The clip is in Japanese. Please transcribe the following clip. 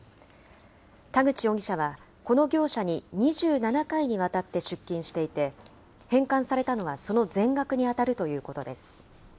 田口容疑者は、この業者に２７回にわたって出金していて、返還されたのはその全額に当たるということです。